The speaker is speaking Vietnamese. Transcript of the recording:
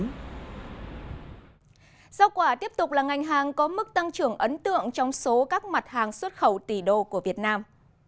rau quả tiếp tục là ngành hàng có mức tăng trưởng ấn tượng trong số các mặt hàng xuất khẩu tỷ đô của việt nam